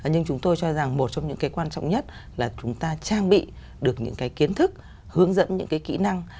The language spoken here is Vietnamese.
nhưng chúng tôi cho rằng một trong những cái quan trọng nhất là chúng ta trang bị được những cái kiến thức hướng dẫn những cái kỹ năng